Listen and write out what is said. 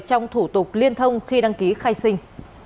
trong thủ tục liên thông khi đăng ký khai sinh